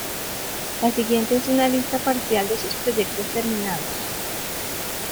La siguiente es una lista parcial de sus proyectos terminados